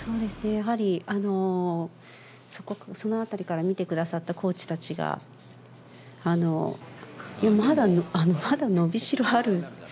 やはり、そのあたりから見てくださったコーチたちが、まだ伸びしろある。